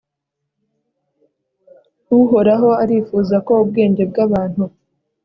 Uhoraho arifuza ko ubwenge bwabantu